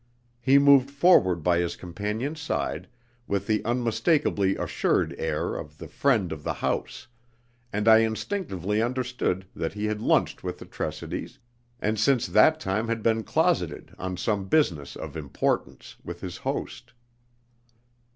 He moved forward by his companion's side with the unmistakably assured air of the friend of the house, and I instinctively understood that he had lunched with the Tressidys, and since that time had been closeted on some business of importance with his host.